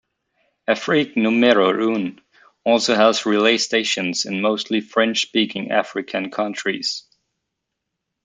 Afrique Numero Un also has relay stations in mostly French-speaking African countries.